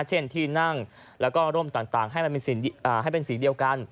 เช่นที่นั่งแล้วก็ร่มต่างให้มันให้เป็นสีเดียวกัน